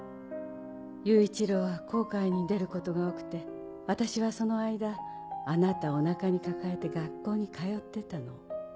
雄一郎は航海に出ることが多くて私はその間あなたをお腹に抱えて学校に通ってたの。